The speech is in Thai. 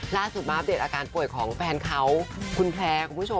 ล่าสุดมาอัปเดตอาการป่วยของแฟนเขาคุณแพร่คุณผู้ชม